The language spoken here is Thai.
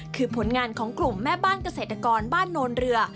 คือผลงานของกลุ่มแม่บ้านเกษตรกรบ้านโนนเรือ